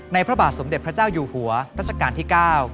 พระบาทสมเด็จพระเจ้าอยู่หัวรัชกาลที่๙